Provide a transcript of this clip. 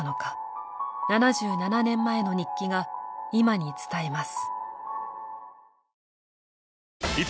７７年前の日記が今に伝えます。